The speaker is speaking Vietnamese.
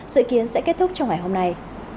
dự kiến sẽ kết thúc trong ngày hôm nay